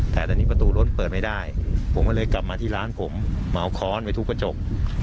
แต่ตอนนี้ประตูรถเปิดไม่ได้ผมก็เลยกลับมาที่ร้านผมเหมาค้อนไปทุบกระจก